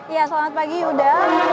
ya selamat pagi yuda